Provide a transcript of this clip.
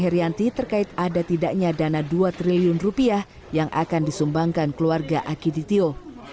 herianti terkait ada tidaknya dana dua triliun rupiah yang akan disumbangkan keluarga akiditio